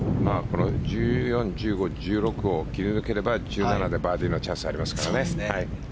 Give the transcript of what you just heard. １４、１５、１６を切り抜ければ１７でバーディーのチャンスがありますからね。